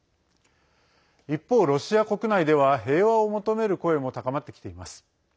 一方、ロシア国内では平和を求める声も高まってきています。